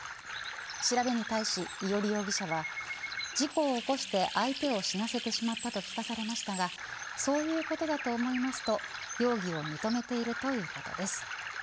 調べに対し伊従容疑者は事故を起こして相手を死なせてしまったと聞かされましたがそういうことだと思いますと容疑を認めているということです。